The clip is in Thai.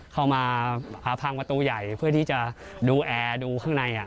เข้ามาพังประตูใหญ่เพื่อที่จะดูแอร์ดูข้างใน